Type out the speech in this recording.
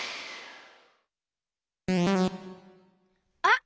あっ！